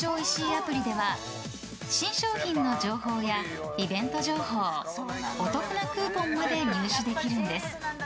アプリでは新商品の情報やイベント情報お得なクーポンまで入手できるんです。